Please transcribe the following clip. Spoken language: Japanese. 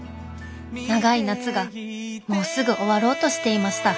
長い夏がもうすぐ終わろうとしていました